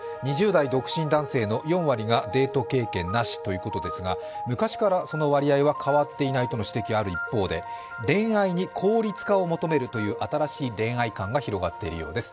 ２０代独身男性の４割がデート経験なしということですが昔からその割合は変わっていないという指摘がある一方で恋愛に効率化を求めるという新しい恋愛観が広がっているようです。